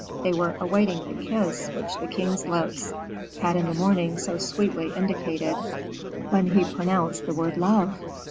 they were awaiting the kiss which the king's lips had in the morning so sweetly indicated, when he pronounced the word _love!